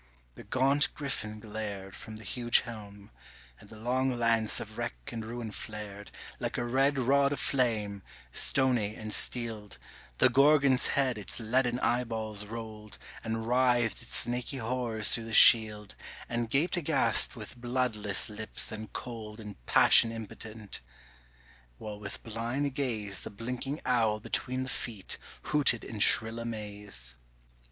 the gaunt Griffin glared From the huge helm, and the long lance of wreck and ruin flared Like a red rod of flame, stony and steeled The Gorgon's head its leaden eyeballs rolled, And writhed its snaky horrors through the shield, And gaped aghast with bloodless lips and cold In passion impotent, while with blind gaze The blinking owl between the feet hooted in shrill amaze.